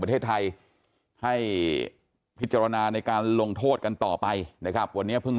ประเทศไทยให้พิจารณาในการลงโทษกันต่อไปนะครับวันนี้เพิ่ง